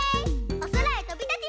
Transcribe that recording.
おそらへとびたちます！